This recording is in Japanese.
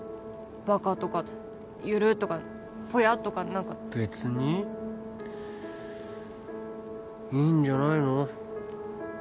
「バカ」とか「ゆるっ」とか「ぽや」とか何かべつにいいんじゃないの？